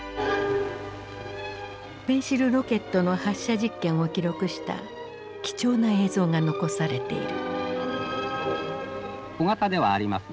ペンシルロケットの発射実験を記録した貴重な映像が残されている。